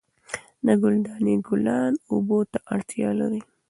د ګل دانۍ ګلان اوبو ته اړتیا لري.